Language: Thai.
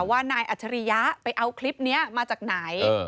ว่านายอัจฉริยะไปเอาคลิปนี้มาจากไหน